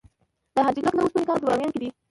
د حاجي ګک د وسپنې کان په بامیان کې دی